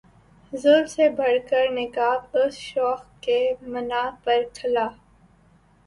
زلف سے بڑھ کر نقاب اس شوخ کے منہ پر کھلا